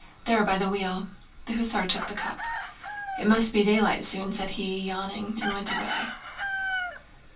"There, by the wheel!" The hussar took the cup. "It must be daylight soon," said he, yawning, and went away.